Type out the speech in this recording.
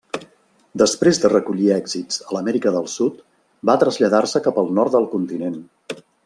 Després de recollir èxits a l'Amèrica del Sud va traslladar-se cap al nord del continent.